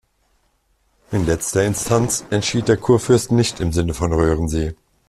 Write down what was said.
In letzter Instanz entschied der Kurfürst, nicht im Sinne von Röhrensee.